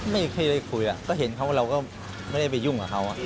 ไม่เคยได้คุยก็เห็นเขาเราก็ไม่ได้ไปยุ่งกับเขา